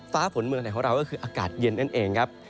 ฟ้าฝนเมืองไหนของเราก็คืออากาศเย็นนั่นเองครับ